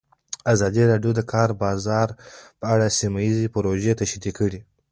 ازادي راډیو د د کار بازار په اړه سیمه ییزې پروژې تشریح کړې.